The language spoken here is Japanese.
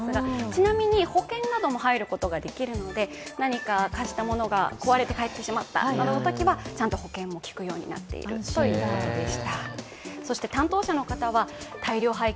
ちなみに保険なども入ることができるので何か貸したものが壊れて返ってきてしまったというときはちゃんと保険もきくようになっているということです。